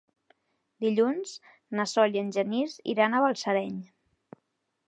Dilluns na Sol i en Genís iran a Balsareny.